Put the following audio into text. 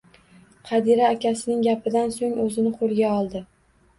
Qadira akasining gapidan soʻng oʻzini qoʻlga oldi